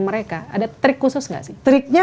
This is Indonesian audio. mereka ada trik khusus nggak sih triknya